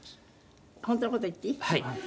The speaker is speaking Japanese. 本当の事言っていい？